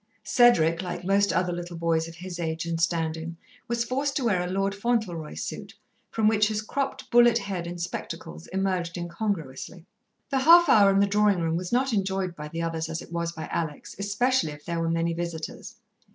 Cedric, like most other little boys of his age and standing, was forced to wear a Lord Fauntleroy suit, from which his cropped bullet head and spectacles emerged incongruously. The half hour in the drawing room was not enjoyed by the others as it was by Alex, especially if there were many visitors.